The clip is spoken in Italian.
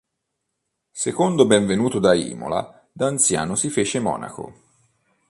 Secondo Benvenuto da Imola, da anziano si fece monaco.